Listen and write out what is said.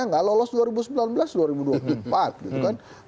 nggak lolos dua ribu sembilan belas dua ribu dua puluh empat gitu kan